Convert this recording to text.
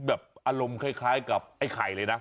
แบบอารมณ์คล้ายกับไอ้ไข่เลยนะ